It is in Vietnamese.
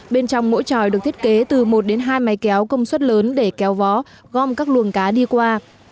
bên trong mỗi tròi được thiết kế từ một đến hai máy kéo công suất lớn để kéo vó gom các luồng cá đi qua